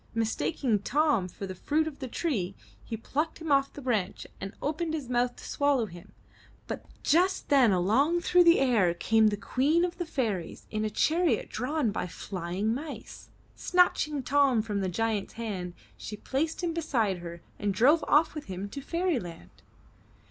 Mistaking Tom for the fruit of the tree, he plucked him off the branch and opened his mouth to swallow him. But just then along through the air came the Queen of the Fairies, in a chariot drawn by flying mice. Snatching Tom from the giant's hand, she placed him beside her and drove off with him to Fairy land.